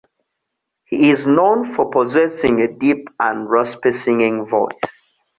He is known for possessing a deep and raspy singing voice.